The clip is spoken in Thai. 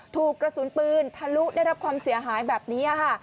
ถูกกระสุนปืนทะลุได้รับความเสียหายแบบนี้ค่ะ